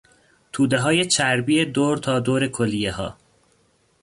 تودههای چربی دور تا دور کلیهها